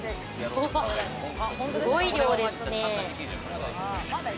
すごい量ですね。